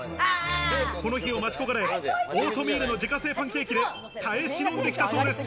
この日を待ち焦がれ、オートミールの自家製パンケーキで耐え忍んできたそうです。